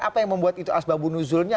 apa yang membuat itu asbab bunuzulnya